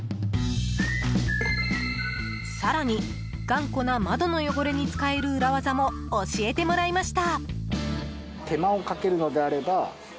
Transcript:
更に、頑固な窓の汚れに使える裏技も教えてもらいました。